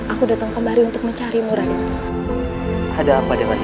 aku datang kembali untuk mencarimu raden